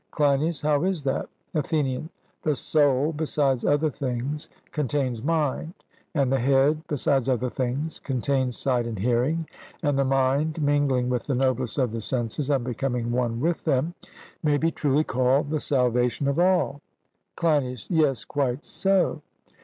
CLEINIAS: How is that? ATHENIAN: The soul, besides other things, contains mind, and the head, besides other things, contains sight and hearing; and the mind, mingling with the noblest of the senses, and becoming one with them, may be truly called the salvation of all. CLEINIAS: Yes, quite so.